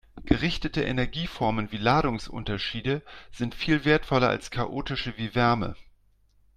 Gerichtete Energieformen wie Ladungsunterschiede sind viel wertvoller als chaotische wie Wärme.